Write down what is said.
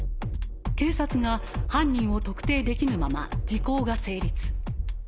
警察が犯人を特定できぬまま時効が成立。